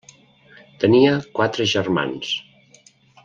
Tenia quatre germans.